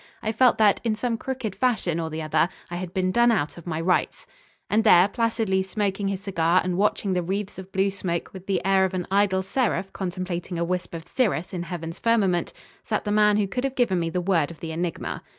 I felt that, in some crooked fashion, or the other, I had been done out of my rights. And there, placidly smoking his cigar and watching the wreaths of blue smoke with the air of an idle seraph contemplating a wisp of cirrus in Heaven's firmament, sat the man who could have given me the word of the enigma.